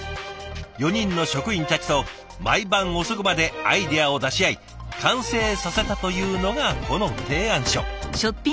４人の職員たちと毎晩遅くまでアイデアを出し合い完成させたというのがこの提案書。